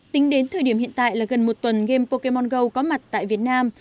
tính đến thời điểm hiện tại là gần một tuần game pokemon go có mặt tại việt nam